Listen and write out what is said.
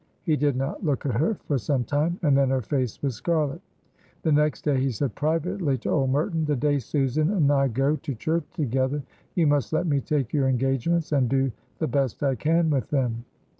He did not look at her for some time, and then her face was scarlet. The next day he said privately to old Merton: "The day Susan and I go to church together, you must let me take your engagements and do the best I can with them."